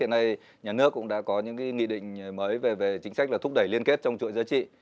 hiện nay nhà nước cũng đã có những nghị định mới về chính sách là thúc đẩy liên kết trong chuỗi giá trị